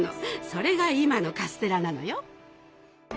それが今のカステラなのよ。